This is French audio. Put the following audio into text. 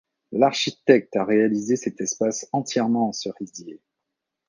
L'architecte a réalisé cet espace entièrement en cerisier.